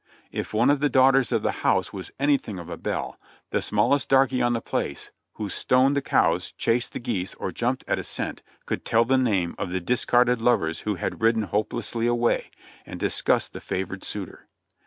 If one of the daughters of the house was anything of a belle, the smallest darky on the place, who stoned the cows, chased the geese, or jumped at a cent, could tell the name of the discarded lovers who had ridden hopelessly away; and discuss the favored suitor.